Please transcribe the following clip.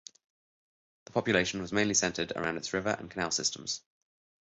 The population was mainly centered around its river and canal systems.